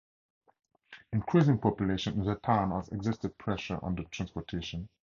Increasing population in the town has exerted pressure on the transportation.